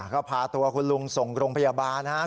ก็พาตัวคุณลุงส่งโรงพยาบาลนะครับ